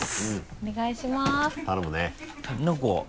お願いします。